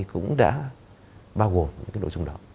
cũng đã bao gồm những cái nội dung đó